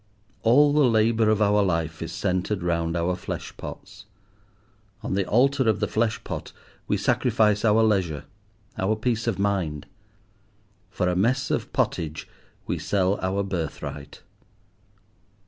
All the labour of our life is centred round our flesh pots. On the altar of the flesh pot we sacrifice our leisure, our peace of mind. For a mess of pottage we sell our birthright.